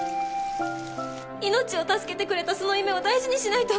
命を助けてくれたその夢を大事にしないと。